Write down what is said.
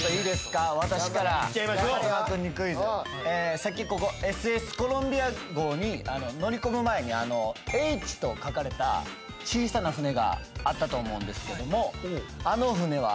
さっきここＳ．Ｓ．コロンビア号に乗り込む前に「Ｈ」と書かれた小さな船があったと思うんですけどもあの船はどんな船か分かりますか？